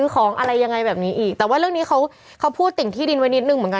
ก็ยินดีทำตามกฎหมายทุกอย่าง